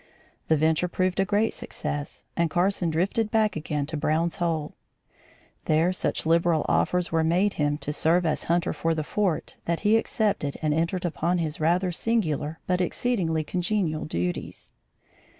The venture proved a great success and Carson drifted back again to Brown's Hole. There such liberal offers were made him to serve as hunter for the fort, that he accepted and entered upon his rather singular, but exceedingly congenial duties.